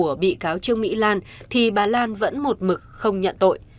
trước khi bị cáo trương mỹ lan thì bà lan vẫn một mực không nhận tội